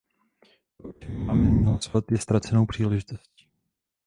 To, o čem však máme nyní hlasovat, je ztracenou příležitostí.